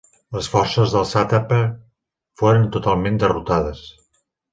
Les forces del sàtrapa foren totalment derrotades.